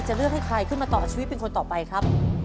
เลือกให้ใครขึ้นมาต่อชีวิตเป็นคนต่อไปครับ